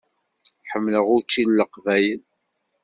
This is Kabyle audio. Ḥemmleɣ učči d Leqbayel.